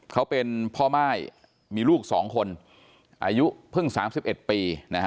เขาเป็นพ่อม่ายมีลูก๒คนอายุเพิ่ง๓๑ปี